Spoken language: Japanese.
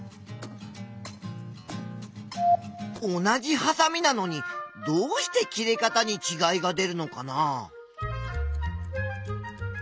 同じはさみなのにどうして切れ方にちがいが出るのかな？